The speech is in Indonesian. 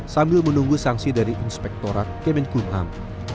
sambil menunggu sanksi dari inspektorat kemenkumham